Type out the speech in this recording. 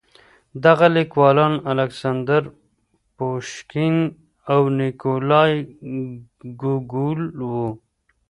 دغه ليکوالان الکساندر پوشکين او نېکولای ګوګول وو.